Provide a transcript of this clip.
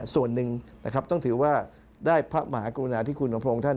ส่วนหนึ่งนะครับต้องถือว่าได้พระมหากรุณาธิคุณของพระองค์ท่าน